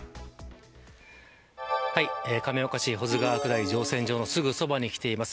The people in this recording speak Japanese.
亀岡市保津川下り乗船場のすぐそばに来ています。